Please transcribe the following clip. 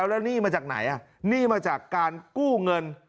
แล้วหนี้มาจากไหนหนี้มาจากการกู้เงิน